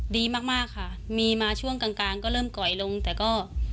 ดีมากมากค่ะมีมาช่วงกลางก็เริ่มก่อยลงแต่ก็